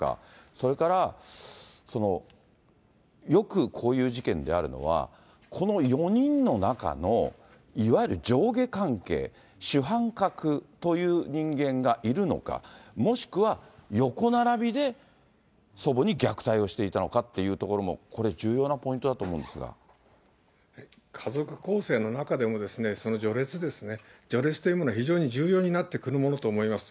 それから、よくこういう事件であるのは、この４人の中のいわゆる上下関係、主犯格という人間がいるのか、もしくは横並びで祖母に虐待をしていたのかっていうところも、重家族構成の中でも、序列ですね、序列というものは非常に重要になってくるものと思います。